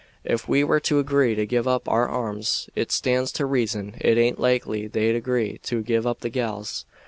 Ef we were to agree to give up our arms, it stands to reason it aint likely they'd agree to give up the gals.